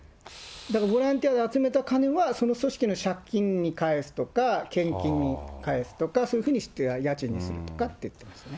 だからボランティアが集めた金は、その組織の借金に返すとか、献金に返すとか、そういうふうにして家賃にするとかって言ってましたね。